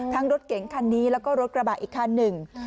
รถเก๋งคันนี้แล้วก็รถกระบะอีกคันหนึ่ง